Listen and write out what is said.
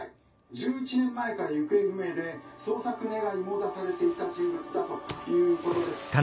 １１年前から行方不明で捜索願いも出されていた人物だということです。